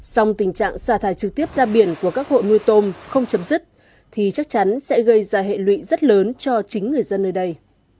song tình trạng xả thải trực tiếp ra biển của các hộ nuôi tôm không chấm dứt thì chắc chắn sẽ gây ra hệ lụy rất lớn cho chính người dân nơi đây